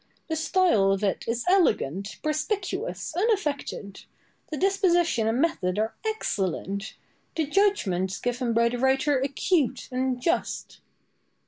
The style of it is elegant, perspicuous, unaffected; the disposition and method are excellent; the judgments given by the writer acute and just.